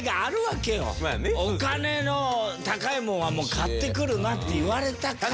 お金の高い物はもう買ってくるなって言われたから。